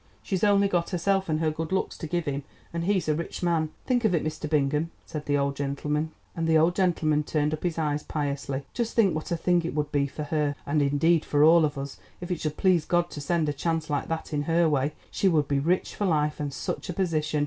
She's only got herself and her good looks to give him, and he's a rich man. Think of it, Mr. Bingham," and the old gentleman turned up his eyes piously, "just think what a thing it would be for her, and indeed for all of us, if it should please God to send a chance like that in her way; she would be rich for life, and such a position!